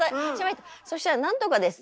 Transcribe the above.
そしたら「なんとかです」